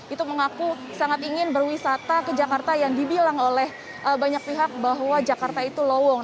itu mengaku sangat ingin berwisata ke jakarta yang dibilang oleh banyak pihak bahwa jakarta itu lowong